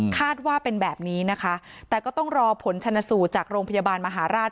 ว่าเป็นแบบนี้นะคะแต่ก็ต้องรอผลชนสูตรจากโรงพยาบาลมหาราช